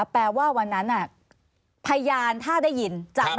แปลว่าวันนั้นพยานถ้าได้ยิน